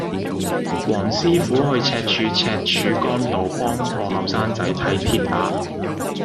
黃師傅去赤柱赤柱崗道幫個後生仔睇跌打